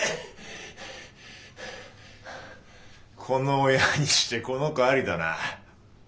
この親にしてこの子ありだな。